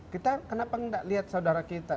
kita kenapa nggak lihat saudara kita